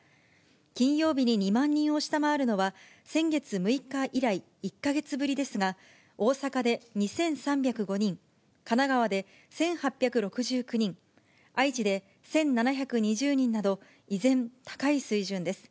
金曜日に２万人を下回るのは、先月６日以来、１か月ぶりですが、大阪で２３０５人、神奈川で１８６９人、愛知で１７２０人など依然、高い水準です。